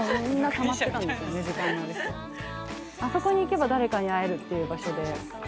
あそこ行けば誰かに会えるっていう場所で。